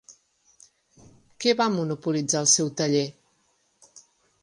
Què va monopolitzar el seu taller?